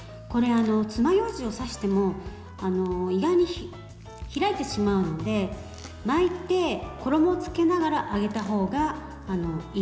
つまようじを刺しても意外に開いてしまうので巻いて、衣をつけながら揚げたほうがいいですね。